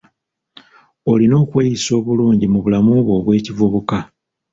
Olina okweyisa obulungi mu bulamu bwo obw'ekivubuka.